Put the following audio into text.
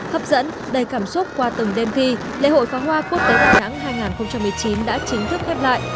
hấp dẫn đầy cảm xúc qua từng đêm thi lễ hội phá hoa quốc tế đà nẵng hai nghìn một mươi chín đã chính thức khép lại